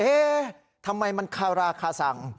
เอ๊ะทำไมมันคาราคาสั่ง